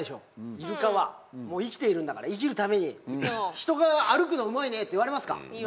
イルカはもう生きているんだから生きるために人が「歩くのうまいね」って言われますか？